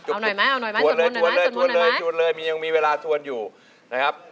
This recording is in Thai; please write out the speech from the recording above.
เอาหน่อยไหมส่วนหมดหน่อยไหมถวนเลยยังมีเวลาถวนอยู่นะครับ